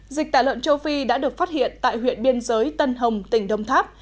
dịch tả lợn châu phi đã được phát hiện tại huyện biên giới tân hồng tỉnh đông tháp